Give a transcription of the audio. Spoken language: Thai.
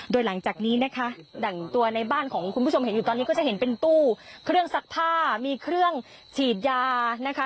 โดยหลังจากนี้นะคะดั่งตัวในบ้านของคุณผู้ชมเห็นอยู่ตอนนี้ก็จะเห็นเป็นตู้เครื่องซักผ้ามีเครื่องฉีดยานะคะ